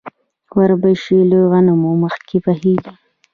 وربشې له غنمو مخکې پخیږي.